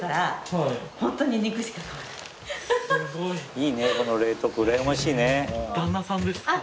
いいねこの冷凍庫うらやましいね。